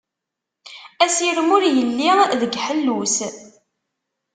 Asirem ur yelli deg ḥellu-s.